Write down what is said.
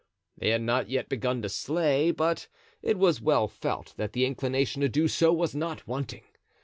They had not yet begun to slay, but it was well felt that the inclination to do so was not wanting.